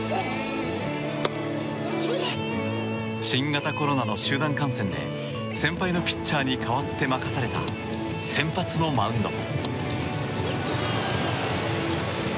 新型コロナの集団感染で先輩のピッチャーに代わって任された先発のマウンド。